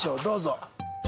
どうぞ。